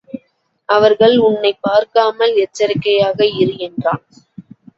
அவர்கள் உன்னைப் பார்க்காமல் எச்சரிக்கையாக இரு என்றான்.